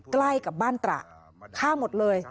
ใกล้กับบ้านตระข้างหมดเลย